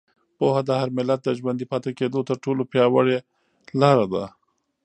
پوهه د هر ملت د ژوندي پاتې کېدو تر ټولو پیاوړې لاره ده.